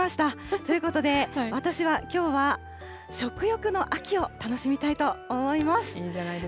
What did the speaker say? ということで、私はきょうは食欲の秋を楽しみたいと思います。